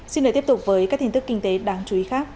xin để tiếp tục với các tin tức kinh tế đáng chú ý khác